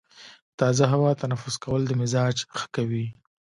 تازه هوا تنفس کول د مزاج ښه کوي.